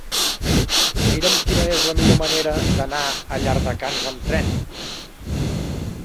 Mira'm quina és la millor manera d'anar a Llardecans amb tren.